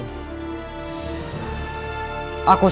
dan apabila aku melanggar sumpahku ini